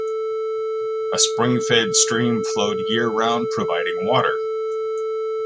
A spring-fed stream flowed year-round providing water.